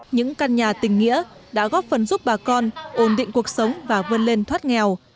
những căn nhà tình nghĩa đã góp phần giúp bà con ổn định cuộc sống và vươn lên thoát nghèo